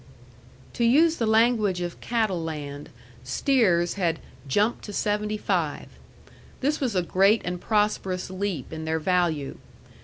To use the language of Cattle Land, steers had "jumped to seventy five." This was a great and prosperous leap in their value.